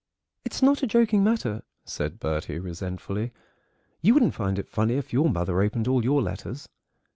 "It's not a joking matter," said Bertie resentfully: "you wouldn't find it funny if your mother opened all your letters."